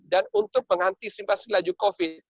dan untuk mengantisipasi laju covid